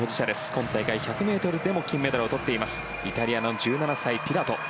今大会１００ｍでも金メダルを取っていますイタリアの１７歳、ピラト。